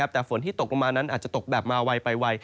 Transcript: แต่ฝนที่ตกลงมานั้นอาจจะตกแบบมาไวไปไว